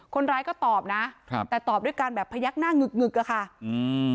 คนร้ายก็ตอบนะครับแต่ตอบด้วยการแบบพยักหน้าหงึกหึกอะค่ะอืม